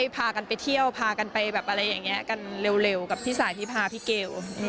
พากันไปเที่ยวพากันไปแบบอะไรอย่างนี้กันเร็วกับพี่สายที่พาพี่เกล